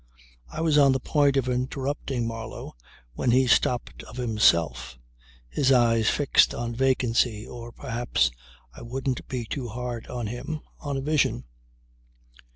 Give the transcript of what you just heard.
" I was on the point of interrupting Marlow when he stopped of himself, his eyes fixed on vacancy, or perhaps (I wouldn't be too hard on him) on a vision.